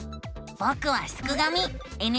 ぼくはすくがミ。